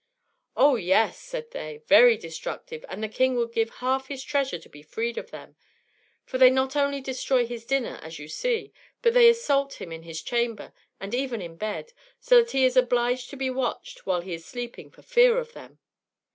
"Oh, yes," said they, "very destructive; and the King would give half his treasure to be freed of them, for they not only destroy his dinner, as you see, but they assault him in his chamber and even in bed, so that he is obliged to be watched while he is sleeping for fear of them."